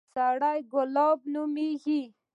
سړى ګلاب نومېده.